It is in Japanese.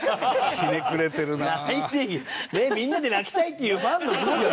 みんなで泣きたいっていうファンの気持ち。